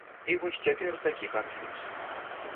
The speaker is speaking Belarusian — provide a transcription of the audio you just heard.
І вось цяпер такі канфуз.